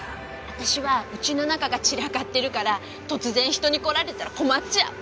私はうちの中が散らかってるから突然人に来られたら困っちゃう。